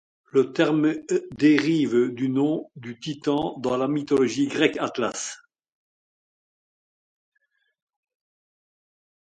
Le terme dérive du nom du Titan dans la mythologie grecque Atlas.